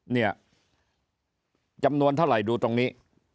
เนี่ยจำนวนเท่าไหร่ดูตรงนี้